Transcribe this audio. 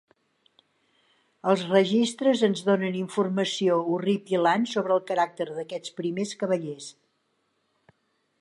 Els registres ens donen informació horripilant sobre el caràcter d'aquests primers cavallers.